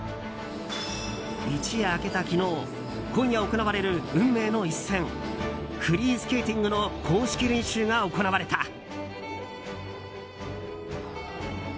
一夜明けた昨日今夜行われる運命の一戦フリースケーティングの公式練習が行われた。